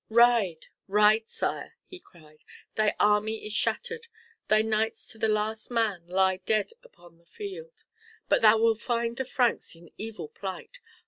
"Ride! ride! Sire," he cried, "thy army is shattered, thy knights to the last man lie dead upon the field; but thou wilt find the Franks in evil plight.